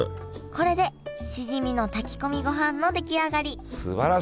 これでしじみの炊き込みごはんの出来上がりすばらしいよ